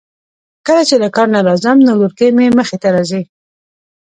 کله چې له کار نه راځم نو لورکۍ مې مخې ته راځی.